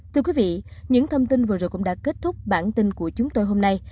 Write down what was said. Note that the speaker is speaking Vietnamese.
thưa quý vị những thông tin vừa rồi cũng đã kết thúc bản tin của chúng tôi hôm nay